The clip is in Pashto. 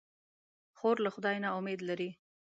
خور له خدای نه امید لري.